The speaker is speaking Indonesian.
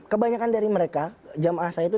kebanyakan dari mereka jemaah saya itu